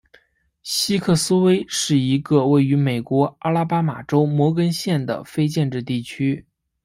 西克斯威是一个位于美国阿拉巴马州摩根县的非建制地区。